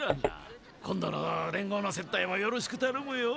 今度の連合の接待もよろしくたのむよ。